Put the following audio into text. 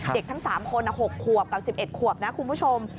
ทั้ง๓คน๖ขวบกับ๑๑ขวบนะคุณผู้ชม